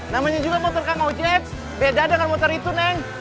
namanya juga motor kang oce beda dengan motor itu neng